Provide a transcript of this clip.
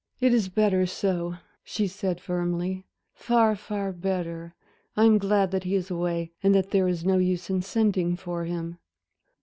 "It is better so," she said, firmly, "far, far better. I am glad that he is away and that there is no use in sending for him."